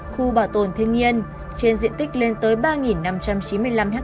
khu bảo tồn thiên nhiên trên diện tích lên tới ba năm trăm chín mươi năm ha